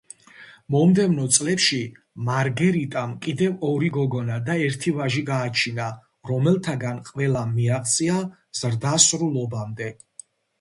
მომდევნო წლებში მარგერიტამ კიდევ ორი გოგონა და ერთი ვაჟი გააჩინა, რომელთაგან ყველამ მიაღწია ზრდასრულობამდე.